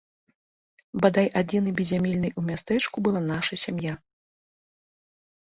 Бадай адзінай беззямельнай у мястэчку была наша сям'я.